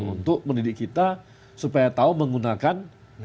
untuk mendidik kita supaya tahu menggunakan